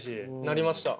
なりました。